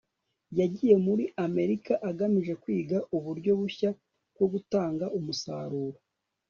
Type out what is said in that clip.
Yagiye muri Amerika agamije kwiga uburyo bushya bwo gutanga umusaruro